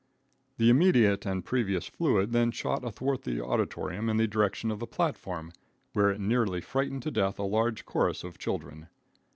The immediate and previous fluid then shot athwart the auditorium in the direction of the platform, where it nearly frightened to death a large chorus of children.